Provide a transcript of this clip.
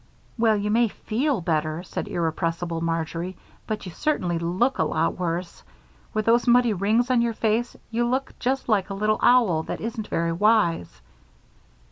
"Well, you may feel better," said irrepressible Marjory, "but you certainly look a lot worse. With those muddy rings on your face you look just like a little owl that isn't very wise."